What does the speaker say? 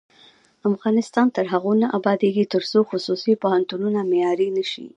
افغانستان تر هغو نه ابادیږي، ترڅو خصوصي پوهنتونونه معیاري نشي.